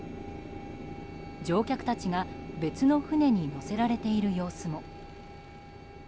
乗客たちが別の船に乗せられている様子も。